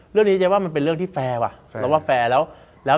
เรื่องนี้ใช่ว่ามันเป็นเรื่องที่แฟร์